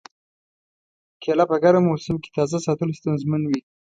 کېله په ګرم موسم کې تازه ساتل ستونزمن وي.